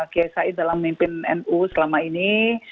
kiai said dalam memimpin nu selama ini